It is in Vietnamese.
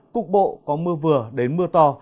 cục bộ có mưa vừa đến mưa to